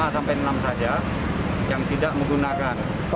lima sampai enam saja yang tidak menggunakan